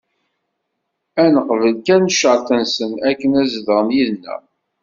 Ad neqbel kan ccerṭ-nsen akken ad zedɣen yid-neɣ.